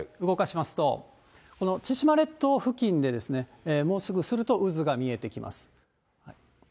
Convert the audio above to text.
動かしますと千島列島付近で、もうすぐすると渦が見えてきます。